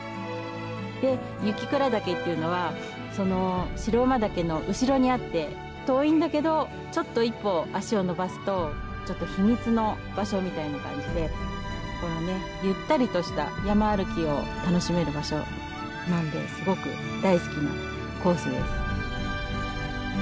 で雪倉岳っていうのはその白馬岳の後ろにあって遠いんだけどちょっと一歩足を延ばすとちょっと秘密の場所みたいな感じでこうねゆったりとした山歩きを楽しめる場所なんですごく大好きなコースです。